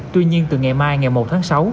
tuy nhiên từ ngày mai ngày một tháng sáu